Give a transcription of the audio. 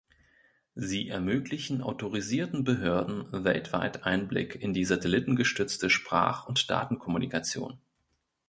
Sie ermöglichen autorisierten Behörden weltweit Einblick in die satellitengestützte Sprach- und Datenkommunikation.